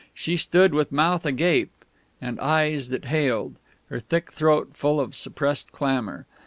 She stood, with mouth agape and eyes that hailed, her thick throat full of suppressed clamour.